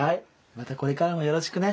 またこれからもよろしくね。